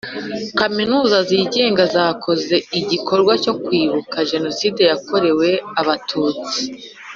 Kaminuza zigenga zakoze igikorwa cyo kwibuka jenoside yakorewe abatutsi